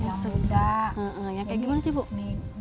yang kayak gimana sih bu